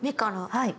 はい。